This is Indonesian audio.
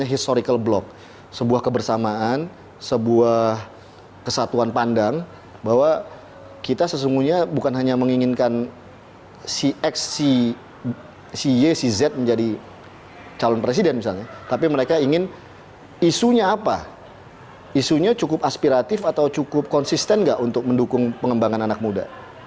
isunya cukup aspiratif atau cukup konsisten gak untuk mendukung pengembangan anak muda